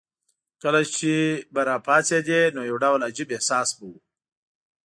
کله چې به راپاڅېدې نو یو ډول عجیب احساس به وو.